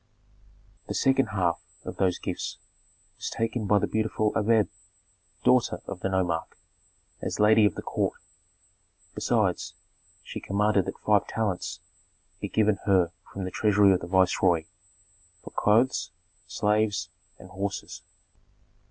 The second half of those gifts was taken by the beautiful Abeb, daughter of the nomarch, as lady of the court. Besides, she commanded that five talents be given her from the treasury of the viceroy, for clothes, slaves, and horses.